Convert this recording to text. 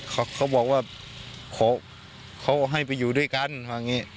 เขาบอกว่าเขาให้ไปอยู่ด้วยกันว่าอย่างนี้